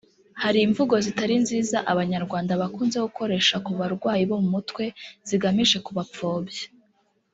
Hari imvugo zitari nziza abanyarwanda bakunze gukoresha ku barwayi bo mu mutwe zigamije kubapfobya